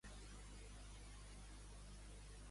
Al cap hi apareix mig lleó rampant sable, amb la llengua gules.